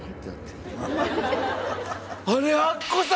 「あれ」。